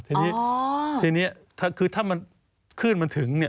ทีนี้คือถ้ามันขึ้นมันถึง